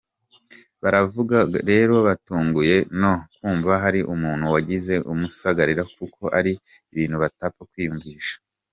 Baravugako rero batunguwe no kumva hari umuntu wagiye kumusagarari kuko ari ibintu batapfa kwiyumvisha.